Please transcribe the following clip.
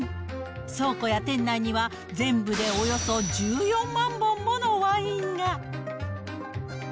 倉庫や店内には、全部でおよそ１４万本ものワインが。